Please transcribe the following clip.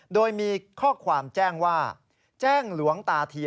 โดยมีข้อความแจ้งว่าแจ้งหลวงตาเทีย